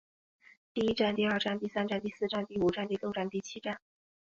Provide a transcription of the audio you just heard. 第一战第二战第三战第四战第五战第六战第七战